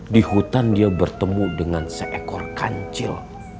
di hutan dia bertemu dengan seekor kancil